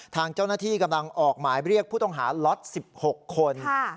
ทางเจ้าหน้าที่กำลังออกหมายเรียกผู้ต้องหาล็อต๑๖คน